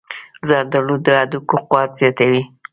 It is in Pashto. زردآلو د هډوکو قوت زیاتوي.